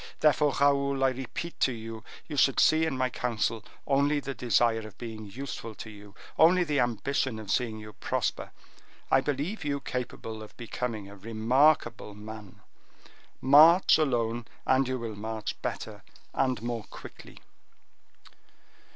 Therefore, Raoul, I repeat to you, you should see in my counsel only the desire of being useful to you, only the ambition of seeing you prosper. I believe you capable of becoming a remarkable man. March alone, and you will march better, and more quickly."